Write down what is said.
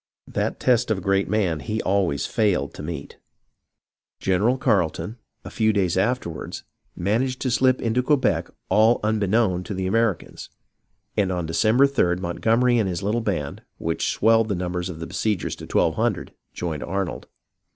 That test of a great man he always failed to meet. General Carleton, a few days afterward, managed to slip into Quebec all unbeknown to the Americans, and on December 3d Montgomery and his little band, which swelled the numbers of the besiegers to twelve hundred, joined Arnold.